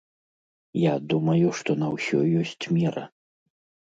Я думаю, што на ўсё ёсць мера.